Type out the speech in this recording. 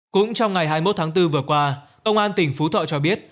cũng trong ngày hai mươi một tháng bốn vừa qua công an tỉnh phú thọ cho biết